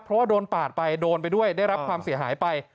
เพราะว่าโดนปาดไปโดนไปด้วยได้รับความเสียหายไป